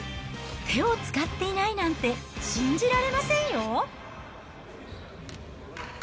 手を使っていないなんて、信じられませんよ。